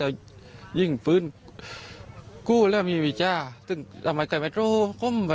วันนี้ก็มันอีกที่ผ่านเพียงกับไม่จอดกดลูก